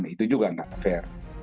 itu juga gak fair